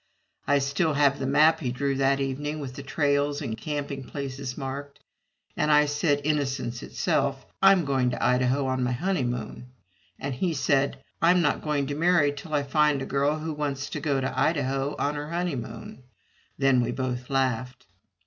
I still have the map he drew that night, with the trails and camping places marked. And I said, innocence itself, "I'm going to Idaho on my honeymoon!" And he said, "I'm not going to marry till I find a girl who wants to go to Idaho on her honeymoon!" Then we both laughed.